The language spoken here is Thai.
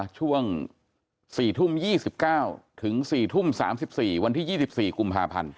ช่วง๔ทุ่ม๒๙ถึง๔ทุ่ม๓๔วันที่๒๔กุมภาพันธ์